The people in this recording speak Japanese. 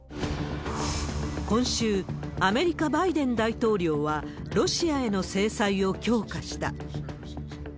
今週、アメリカ、バイデン大統領はロシアへの制裁を強化した。